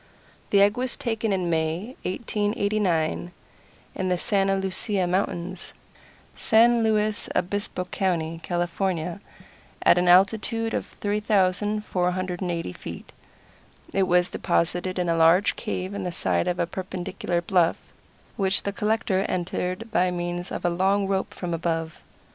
The egg was taken in May, 1889, in the Santa Lucia Mountains, San Luis Obispo County, California, at an altitude of 3,480 feet. It was deposited in a large cave in the side of a perpendicular bluff, which the collector entered by means of a long rope from above.